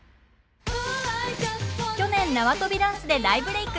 去年縄跳びダンスで大ブレイク！